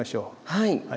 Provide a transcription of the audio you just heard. はい。